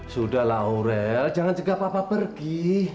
sudahlah orel jangan cegah papa pergi